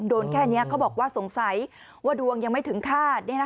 โดนแค่นี้เขาบอกว่าสงสัยว่าดวงยังไม่ถึงคาด